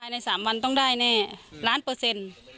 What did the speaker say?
ใน๓วันต้องได้แน่ล้านเปอร์เซ็นต์